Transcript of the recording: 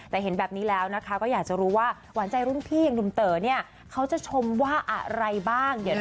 แต่เห็นแบบนี้แล้วนะคะก็อย่าจะรู้ว่าหวานใจรุ่นพี่เดินเต๋อะเขาจะชมว่าอะไรบ้าง